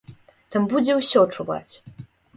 Там будзе ўсё чуваць!